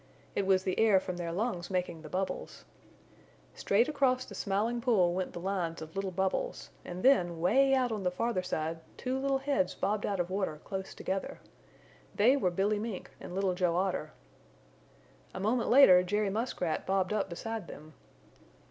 It was the air from their lungs making the bubbles. Straight across the Smiling Pool went the lines of little bubbles and then way out on the farther side two little heads bobbed out of water close together. They were Billy Mink and Little Joe Otter. A moment later Jerry Muskrat bobbed up beside them.